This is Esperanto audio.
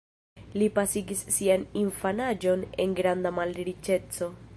Li pasigis sian infanaĝon en granda malriĉeco.